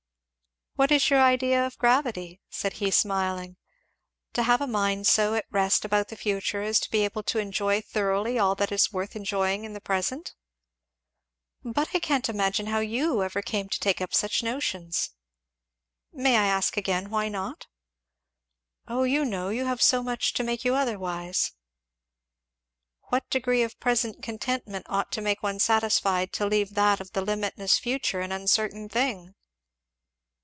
"What is your idea of gravity?" said he smiling. "To have a mind so at rest about the future as to be able to enjoy thoroughly all that is worth enjoying in the present?" "But I can't imagine how you ever came to take up such notions." "May I ask again, why not I?" "O you know you have so much to make you otherwise." "What degree of present contentment ought to make one satisfied to leave that of the limitless future an uncertain thing?"